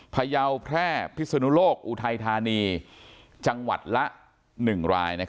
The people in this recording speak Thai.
พยาวแพร่พิศนุโลกอุทัยธานีจังหวัดละ๑ราย